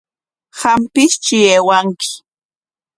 Qampistri aywanki.